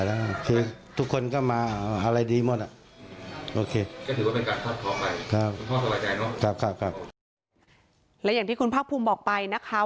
และอย่างที่คุณภาคภูมิบอกไปนะคะ